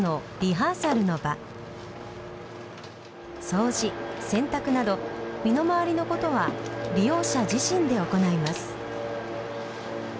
掃除・洗濯など身の回りのことは利用者自身で行います。